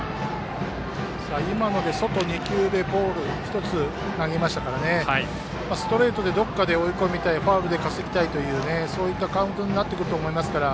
今ので外２球でボール１つ投げましたからストレートでどこかで追い込みたいファウルで稼ぎたいというカウントになってくると思いますから。